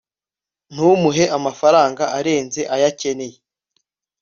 ntumuhe amafaranga arenze ayo akenewe